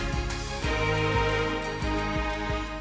คุณมีเสน่ห์มากโมวะ